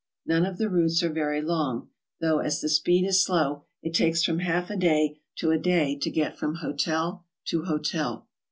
None of the routes are very long, though, as the speed is slow, it takes from half a day to a day to get from hotel to hotel.